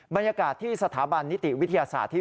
บรรยากาศที่สถาบันนิติวิทยาศาสตร์ที่